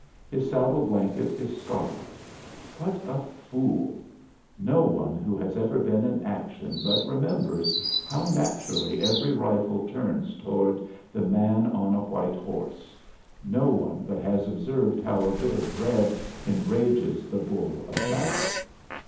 His saddle blanket is scarlet. What a fool! No one who has ever been in action but remembers how naturally every rifle turns toward the man on a white horse; no one but has observed how a bit of red enrages the bull of battle.